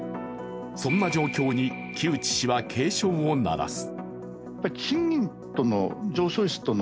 そんな状況に木内氏は警鐘を鳴らす。